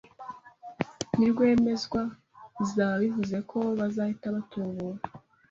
Nirwemezwa, bizaba bivuze ko bazahita batubura